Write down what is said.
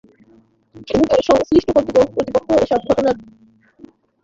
কিন্তু সংশ্লিষ্ট কর্তৃপক্ষ এসব ঘটনার তদন্ত করে ক্ষতিগ্রস্ত ব্যক্তিদের ক্ষতিপূরণ দিতে পারেনি।